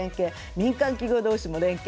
民間企業同士の連携。